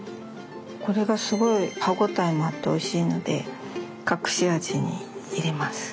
これがすごい歯応えもあっておいしいので隠し味に入れます。